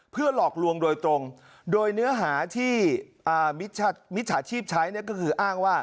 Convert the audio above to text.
เพื่อหลอกลวงโดยตรงโดยเนื้อหาที่มิจฉาชีพใช้ก็คืออ้างว่า